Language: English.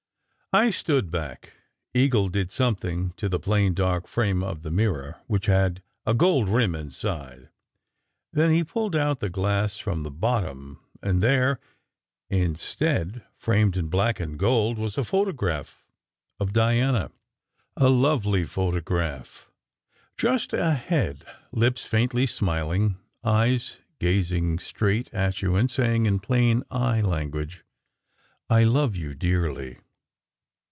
I stood back. Eagle did something to the plain dark frame of the mirror, which had a gold rim inside. Then he pulled out the glass from the bottom, and there instead, framed in black and gold, was a photograph of Diana a lovely photograph: just a head, lips faintly smiling, eyes gazing straight at you and saying in plain eye language, "I love you dearly."